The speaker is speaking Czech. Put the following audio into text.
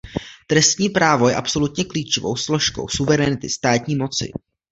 Trestní právo je absolutně klíčovou složkou suverenity státní moci.